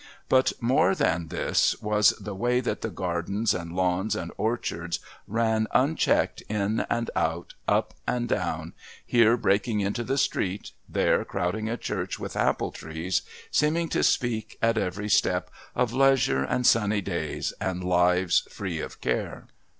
But more than this was the way that the gardens and lawns and orchards ran unchecked in and out, up and down, here breaking into the street, there crowding a church with apple trees, seeming to speak, at every step, of leisure and sunny days and lives free of care.